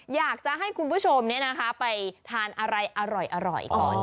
อยากจะให้คุณผู้ชมไปทานอะไรอร่อยก่อน